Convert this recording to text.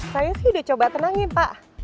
saya sih udah coba tenangin pak